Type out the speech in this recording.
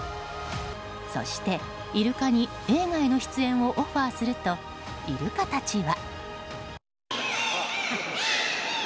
そして、イルカに映画への出演をオファーするとイルカたちは。